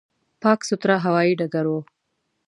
پاک، سوتره هوایي ډګر و.